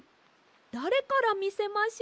だれからみせましょう？